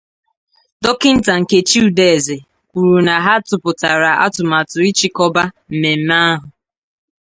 Dọkịta Nkechi Udeze kwuru na ha tụpụtàrà atụmatụ ịchịkọba mmemme ahụ